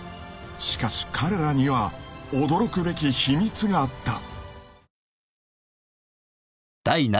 ［しかし彼らには驚くべき秘密があった］